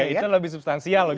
itu lebih substansial